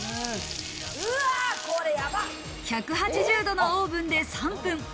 １８０度のオーブンで３分。